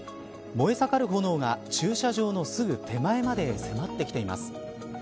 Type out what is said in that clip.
燃え盛る炎が駐車場のすぐ手前まで迫ってきています。